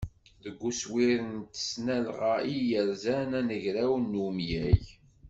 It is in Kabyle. Deg uswir n tesnalɣa i yerzan anagraw n umyag.